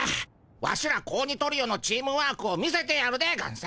ワシら子鬼トリオのチームワークを見せてやるでゴンス！